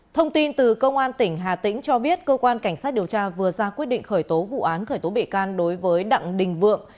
thông tin từ công an tỉnh hà tĩnh cho biết cơ quan cảnh sát điều tra vừa ra quyết định khởi tố vụ án khởi tố bệ can đối với đặng đình vượng